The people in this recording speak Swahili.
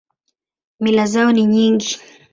Mila zao ni nyingi.